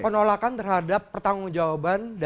penolakan terhadap pertanggung jawaban dari pengurus pengurus lama